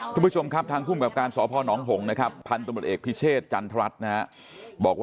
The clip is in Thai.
คุณผู้ชมครับทางคุมกับการสพนหงษ์นะครับ